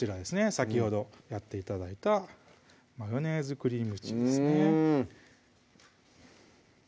先ほどやって頂いたマヨネーズクリームチーズですね